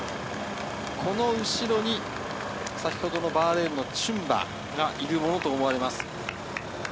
この後ろにバーレーンのチュンバがいるものと思われます。